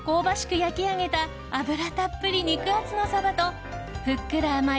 焼き上げた脂たっぷり肉厚のサバとふっくら甘い